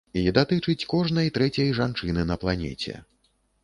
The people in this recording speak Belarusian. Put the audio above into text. І датычыць кожнай трэцяй жанчыны на планеце.